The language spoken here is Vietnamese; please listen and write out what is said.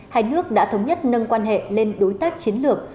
hai nước đã thống nhất nâng quan hệ lên đối tác chiến lược